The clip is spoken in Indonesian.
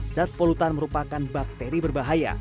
zat polutan merupakan bakteri berbahaya